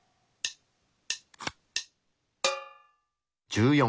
１４。